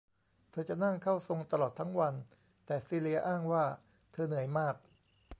เธอจะนั่งเข้าทรงตลอดทั้งวัน แต่ซีเลียอ้างว่าเธอเหนื่อยมาก